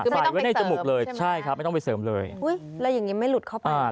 ใส่ไว้ในจมูกเลยใช่ครับไม่ต้องไปเสริมเลยแล้วอย่างนี้ไม่หลุดเข้าไป